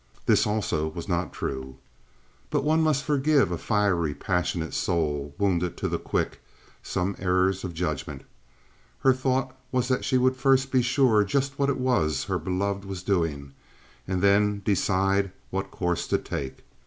(This also was not true.) But one must forgive a fiery, passionate soul, wounded to the quick, some errors of judgment. Her thought was that she would first be sure just what it was her beloved was doing, and then decide what course to take.